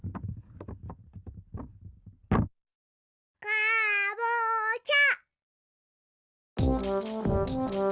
かぼちゃ。